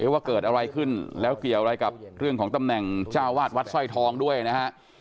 ว่าเกิดอะไรขึ้นแล้วเกี่ยวอะไรกับเรื่องของตำแหน่งเจ้าวาดวัดสร้อยทองด้วยนะฮะ